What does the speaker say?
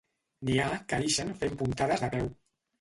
N'hi ha que ixen fent puntades de peu.